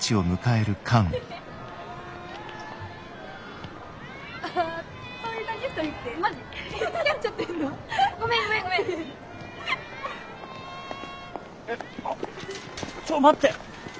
えあっちょっと待って！